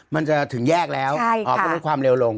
มันจะถึงแยกแล้วอ๋อก็ลดความเร็วลง